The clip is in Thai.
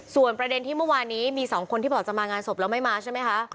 ส่วนประเด็นที่เมื่อวานนี้มี๒คนที่บอกจะมางานศพแล้วไม่มาใช่ไหมคะ